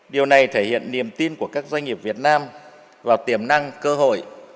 điều này thể hiện niềm tin của các doanh nghiệp việt nam vào tiềm năng cơ hội